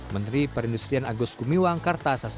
menteri perindustrian agus gumiwangkarta sasar